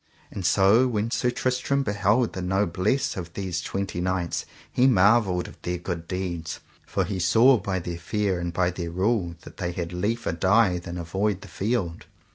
And so when Sir Tristram beheld the noblesse of these twenty knights he marvelled of their good deeds, for he saw by their fare and by their rule that they had liefer die than avoid the field.